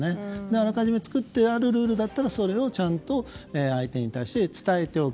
あらかじめて作ってあるルールだと、それをちゃんと相手に対して伝えておく。